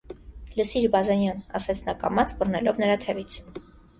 - Լսիր, Բազենյան,- ասաց նա կամաց, բռնելով նրա թևից: